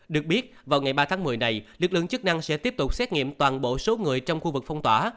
được biết vào ngày ba tháng một mươi này lực lượng chức năng sẽ tiếp tục xét nghiệm toàn bộ số người trong khu vực phong tỏa